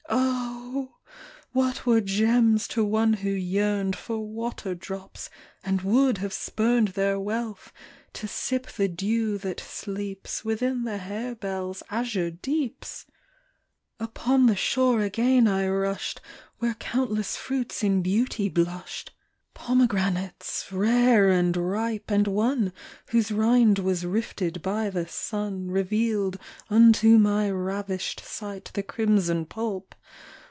Oh ! what were gems to one who yearned For water drops, and would have spurned Their wealth, to sip the dew that sleeps Within the harebells' azure deeps ? Upon the shore again I rushed Where countless fruits in beauty blushed. HASHEESH VISIONS. 27 Pomegranates, rare and ripe, and one, Whose rind was rifled by the sun, Revealed unto my ravished sight The crimson pulp.